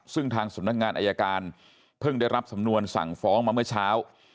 ซึ่งทางสำนักงานอายการเพิ่งได้รับสำนวนสั่งฟ้องมาเมื่อเช้า